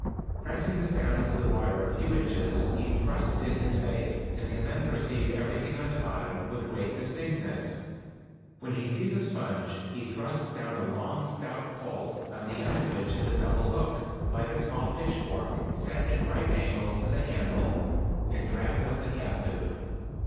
Pressing this down into the water a few inches, he thrusts in his face, and can then perceive everything on the bottom with great distinctness. When he sees a sponge he thrusts down a long, stout pole, on the end of which is a double hook, like a small pitchfork, set at right angles to the handle, and drags up the captive.